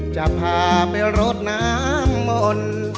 จะพาไปรดน้ำมนต์